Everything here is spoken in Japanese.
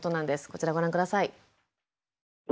こちらご覧下さい。